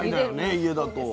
家だと。